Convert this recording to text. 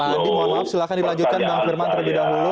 pak andi mohon maaf silahkan dilanjutkan bang firman terlebih dahulu